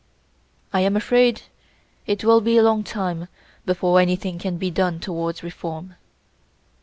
I am afraid it will be a long time before anything can be done towards reform."